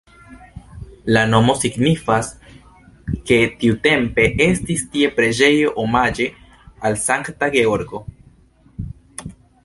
La nomo signifas, ke tiutempe estis tie preĝejo omaĝe al Sankta Georgo.